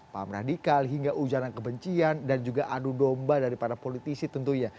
paham radikal hingga ujaran kebencian dan juga adu domba dari para politisi tentunya